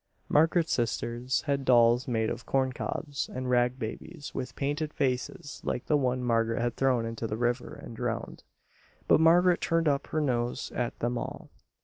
Margaret's sisters had dolls made of corncobs, and rag babies with painted faces like the one Margaret had thrown into the river and drowned; but Margaret turned up her nose at them all.